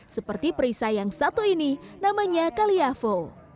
seperti perisai yang satu ini namanya kaliavo